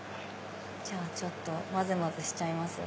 じゃあちょっと混ぜ混ぜしちゃいますよ。